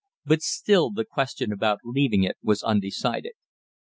But still the question about leaving it was undecided.